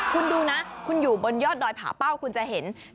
คุณดูนะคุณอยู่บนยอดดอยผาเป้าคุณจะเห็น